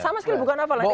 sama sekali bukan hafalan